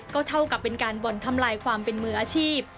ก็เท่ากับเป็นการบ่อนทำลายความเป็นมืออาชีพ